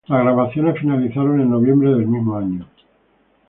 Las grabaciones finalizaron en Noviembre del mismo año.